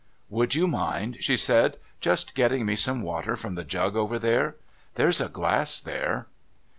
"Would you mind," she said, "just getting me some water from the jug over there? There's a glass there."